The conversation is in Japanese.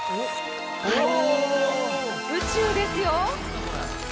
宇宙ですよ。